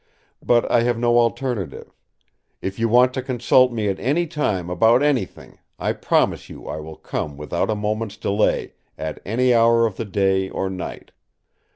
But I have no alternative. If you want to consult me at any time about anything, I promise you I will come without a moment's delay, at any hour of the day or night.